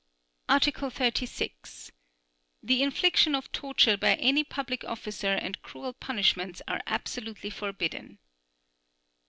Article 36. The infliction of torture by any public officer and cruel punishments are absolutely forbidden.